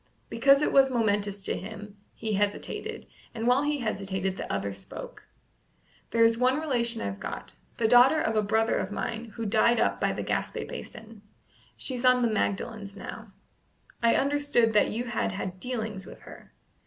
Because it was momentous to him, he hesitated, and while he hesitated the other spoke. "There is one relation I've got, the daughter of a brother of mine who died up by Gaspé Basin. She's on the Magdalens now. I understood that you had had dealings with her."